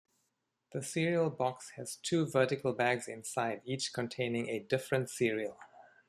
The cereal box has two vertical bags inside, each containing a different cereal.